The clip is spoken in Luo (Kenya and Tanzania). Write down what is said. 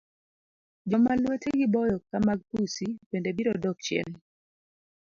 Joma lwetegi boyo ka mag pusi bende birodok chien.